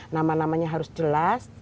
nama namanya harus jelas